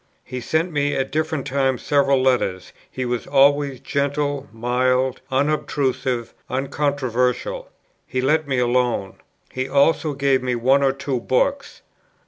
He sent me at different times several letters; he was always gentle, mild, unobtrusive, uncontroversial. He let me alone. He also gave me one or two books.